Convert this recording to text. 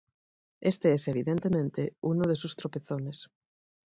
Este es, evidentemente, uno de sus tropezones